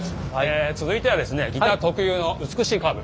続いてはですねギター特有の美しいカーブ。